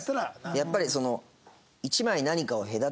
やっぱりその。